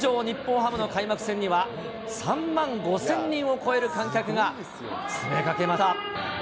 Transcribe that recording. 日本ハムの開幕戦には、３万５０００人を超える観客が詰めかけました。